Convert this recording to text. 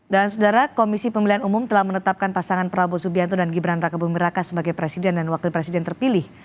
dan saudara komisi pemilihan umum telah menetapkan pasangan prabowo subianto dan gibran raka bumiraka sebagai presiden dan wakil presiden terpilih